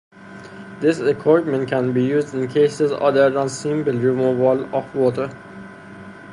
This equipment can be used in cases other than simple removal of water.